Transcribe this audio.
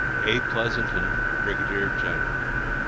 A. PLEASONTON, Brigadier General.